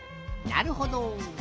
なるほど。